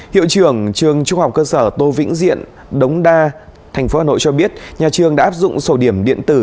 hiệu trưởng trường trung học cơ sở tô vĩnh diện đống đa tp hcm cho biết nhà trường đã áp dụng sổ điểm điện tử